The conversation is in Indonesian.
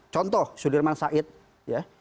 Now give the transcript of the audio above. contoh sudirman said ya